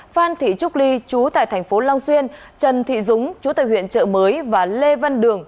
phan thị trúc ly chú tại thành phố long xuyên trần thị dúng chú tại huyện trợ mới và lê văn đường